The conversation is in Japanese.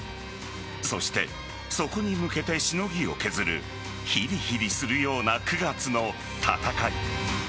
そしてそこに向けてしのぎを削るヒリヒリするような９月の戦い。